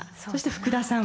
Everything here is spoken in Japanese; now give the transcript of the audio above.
竹田さん